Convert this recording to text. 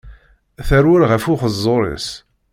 Terwel ɣef uxeẓẓur-is.